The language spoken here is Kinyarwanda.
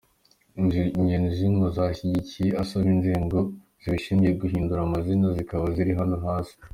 Ingingo z’ingenzi yashingiyeho asaba inzego zibishinzwe guhindura amazina zikaba ziri hano hasi:.